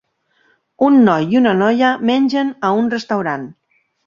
Un noi i una noia mengen a un restaurant.